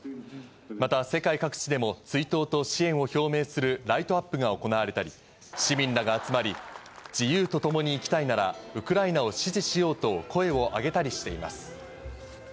また世界各地でも追悼と支援を表明するライトアップが行われたり、市民らが集まり、自由と共に生きたいならウクライナを支持しようと声をあげたりしています。